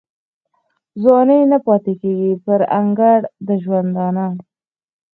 ځواني نه پاته کیږي پر انګړ د ژوندانه